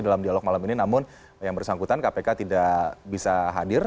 dalam dialog malam ini namun yang bersangkutan kpk tidak bisa hadir